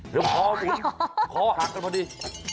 หรือขอบุญขอหักกันพอดี